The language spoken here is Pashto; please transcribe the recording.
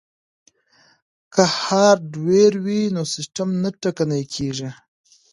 که هارډویر وي نو سیستم نه ټکنی کیږي.